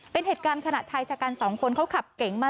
เป็นเหตุการณ์ขณะชายชะกันสองคนเขาขับเก๋งมา